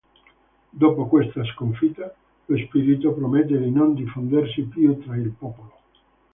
Dopo questa sconfitta lo spirito promette di non diffondersi più tra il popolo.